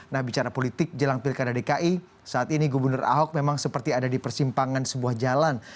nah bicara politik jelang pilkada dki saat ini gubernur ahok memang seperti ada di persimpangan sebuah jalan